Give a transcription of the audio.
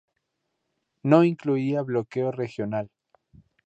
No incluía bloqueo regional.